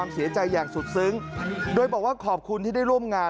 และก็มีการกินยาละลายริ่มเลือดแล้วก็ยาละลายขายมันมาเลยตลอดครับ